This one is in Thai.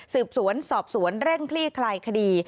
สืบสวนสอบสวนเร่งคลี่คลายคดี